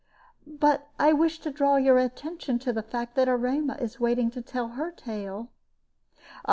But I wished to draw your attention to the fact that Erema is waiting to tell her tale."